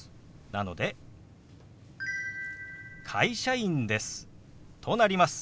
なので「会社員です」となります。